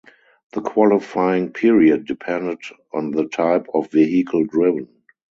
The qualifying period depended on the type of vehicle driven.